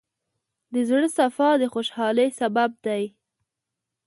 د زړۀ صفا د خوشحالۍ سبب دی.